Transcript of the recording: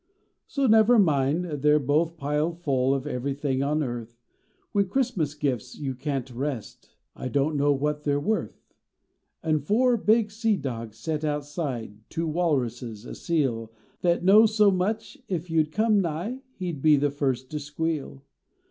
So never mind, they re both piled full Of everything on earth, With Christmas gifts till you can t rest, I don t know what they re worth. An four big sea dogs set outside Two walruses, a seal That knows so much if you d come nigh He d be the first to squeal.